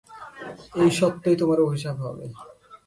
এই সত্যই তোমার অভিশাপ হবে।